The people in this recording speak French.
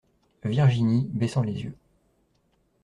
Virginie , baissant les yeux.